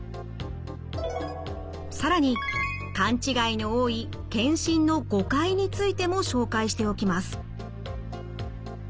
更に勘違いの多い検診の誤解についても紹介しておきます。